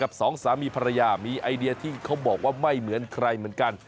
สองสามีภรรยามีไอเดียที่เขาบอกว่าไม่เหมือนใครเหมือนกัน